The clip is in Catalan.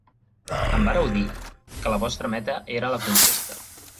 Em vàreu dir que la vostra meta era la conquesta.